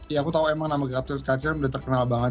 ya aku tahu emang nama gatot kaca udah terkenal banget